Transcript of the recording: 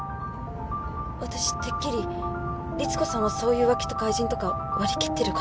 私てっきりリツコさんはそういう浮気とか愛人とか割り切ってる方なのかと。